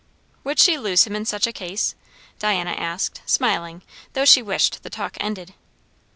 "Would she lose him in such a case?" Diana asked, smiling, though she wished the talk ended.